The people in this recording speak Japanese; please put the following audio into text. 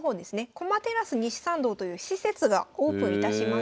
駒テラス西参道という施設がオープンいたしました。